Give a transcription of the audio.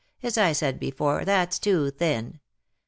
As I said before, that's too thin.